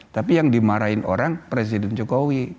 tapi yang dimarahin orang presiden jokowi